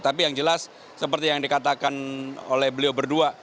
tapi yang jelas seperti yang dikatakan oleh beliau berdua